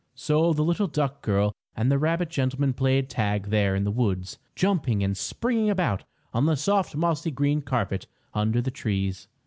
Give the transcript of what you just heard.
So the little duck girl and the rabbit gentleman played tag there in the woods, jumping and springing about on the soft mossy green carpet under the trees.